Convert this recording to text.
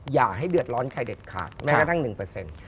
อย่าให้เดือดร้อนใครเด็ดขาดแม้กระทั่งหนึ่งเปอร์เซ็นต์